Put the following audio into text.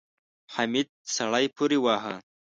حميد سړی پورې واهه.